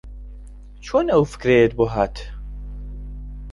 چۆن ئەو فکرەیەت بۆ ھات؟